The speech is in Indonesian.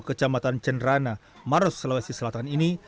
kecamatan cenerana maros sulawesi selatan ini